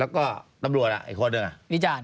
แล้วก็ตำรวจอีกคนเลย